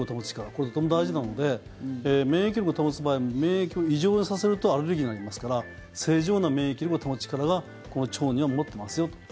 これ、とても大事なので免疫力を保つ場合も免疫を異常にさせるとアレルギーになりますから正常な免疫力を保つ力をこの腸は持ってますよと。